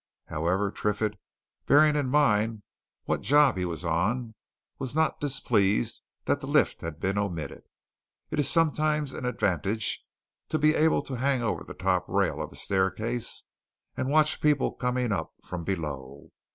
However, Triffitt, bearing in mind what job he was on, was not displeased that the lift had been omitted it is sometimes an advantage to be able to hang over the top rail of a staircase and watch people coming up from below.